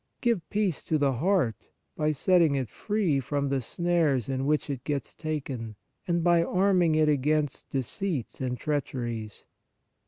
Give peace to the heart, by setting it free from the snares in which it gets taken, and by arming it against deceits and treacheries.